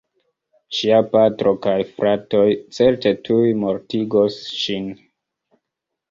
Ŝia patro kaj fratoj certe tuj mortigos ŝin.